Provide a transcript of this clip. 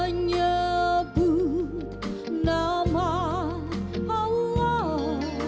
dengan menyebut nama allah